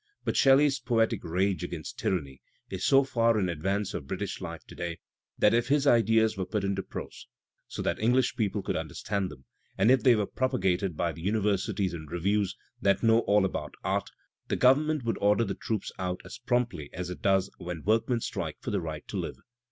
But Shelley's poetic rage against tyranny is so far in advance of British life to day, that if his ideas were put into prose (so that English people could understand them), and if they were propagated by the universities and reviews that know all about art, the government would order the troops out as promptly as it does when workmen strike for the right to live.